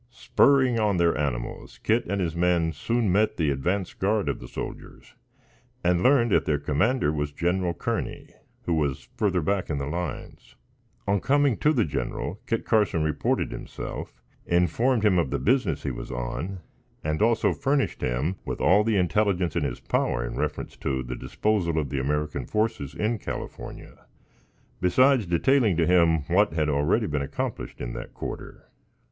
Spurring on their animals, Kit and his men soon met the advance guard of the soldiers and learned that their commander was Gen. Kearney, who was further back in the lines. On coming to the general, Kit Carson reported himself, informed him of the business he was on, and also furnished him with all the intelligence in his power in reference to the disposal of the American forces in California, besides detailing to him what had already been accomplished in that quarter.